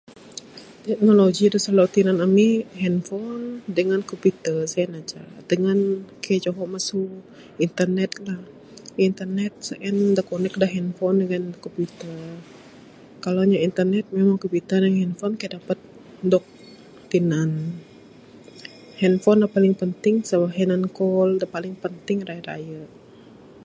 Teknologi da slalu tinan ami handphone, dengan computer sien aja. Da ngan kaik juho masu internet lah, internet se'en da connect da handphone dengan computer. Kalau nyap internet memang computer dengan handphone kaik dapet dog tinen. Handphone da paling penting so he nan call da paling penting raye raye.